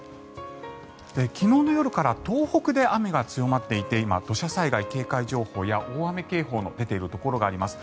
昨日の夜から東北で雨が強まっていて今、土砂災害警戒情報や大雨警報の出ているところがあります。